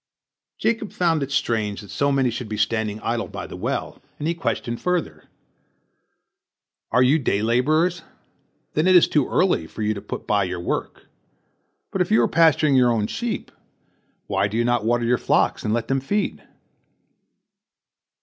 Jacob found it strange that so many should be standing idle by the well, and he questioned further: "Are you day laborers? then it is too early for you to put by your work. But if you are pasturing your own sheep, why do you not water your flocks and let them feed?"